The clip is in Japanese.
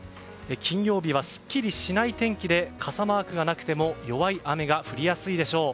金曜日はすっきりしない天気で傘マークがなくても弱い雨が降りやすいでしょう。